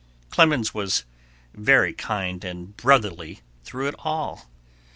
Clemens was very kind and brotherly through it all.